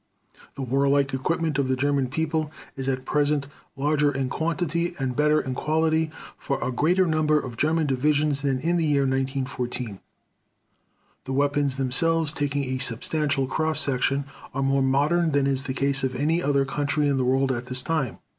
. "The warlike equipment of the German people is at present larger in quantity and better in quality for a greater number of German divisions than in the year 1914. The weapons themselves, taking a substantial cross section, are more modern than is the case of any other country in the world at this time.